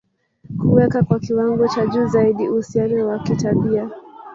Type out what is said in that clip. kuweka kwa kiwango cha juu zaidi uhusiano wa kitabia